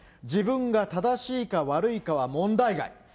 自分が正しいか悪いかは問題外。